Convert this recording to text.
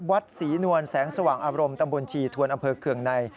วัดศรีนวลแสงสว่างอารมณ์ตำบลชีทวนอำเภอเคืองใน